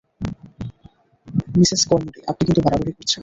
Mrs Carmody, আপনি কিন্তু বাড়াবাড়ি করছেন!